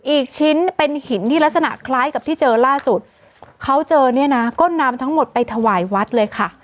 อีกชิ้นเป็นหินที่ลักษณะคล้ายกับที่เจอล่าสุดเขาเจอเนี่ยนะก็นำทั้งหมดไปถวายวัดเลยค่ะ